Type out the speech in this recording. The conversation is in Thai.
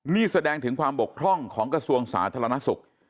นี่แสดงถึงความบกพร่องของกระทรวงสาธารณสุข